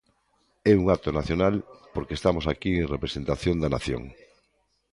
É un acto nacional porque estamos aquí en representación da nación.